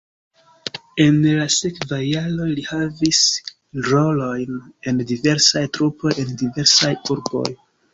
En la sekvaj jaroj li havis rolojn en diversaj trupoj en diversaj urboj.